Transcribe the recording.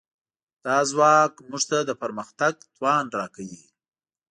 دا ځواک موږ ته د پرمختګ توان راکوي.